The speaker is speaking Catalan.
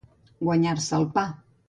Guanyar-se el pa.